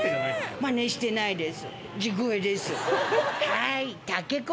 真似してないです。